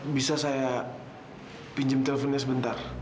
bisa saya pinjam teleponnya sebentar